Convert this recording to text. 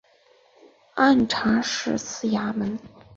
按察使司衙门创设人暨首任按察使是洪卑爵士。